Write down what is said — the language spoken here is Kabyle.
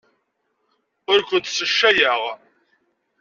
Ur kent-sseccayeɣ.